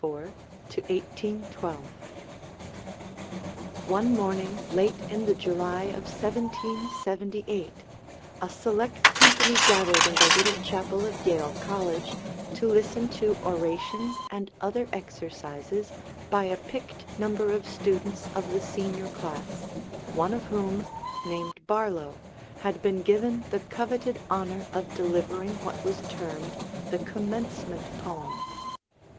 JOEL BARLOW (1754 1812) One morning late in the July of 1778, a select company gathered in the little chapel of Yale College to listen to orations and other exercises by a picked number of students of the Senior class, one of whom, named Barlow, had been given the coveted honor of delivering what was termed the 'Commencement Poem.'